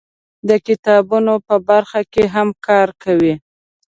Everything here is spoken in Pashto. د کتابونو په برخه کې هم کار کوي.